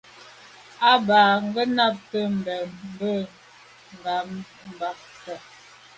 A ba nganabte mbèn mbe ngabàgte.